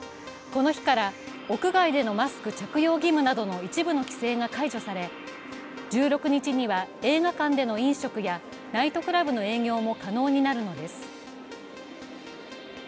この日から屋外でのマスク着用義務などの一部の規制が解除され１６日には映画館での飲食やナイトクラブの営業も可能になるのです。